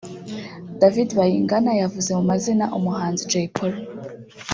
David Bayingana yavuze mu mazina umuhanzi Jay Polly